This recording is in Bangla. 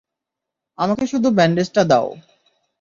আমাকে শুধু ব্যান্ডেজটা দাও?